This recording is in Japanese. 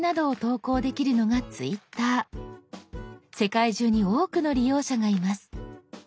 世界中に多くの利用者がいます。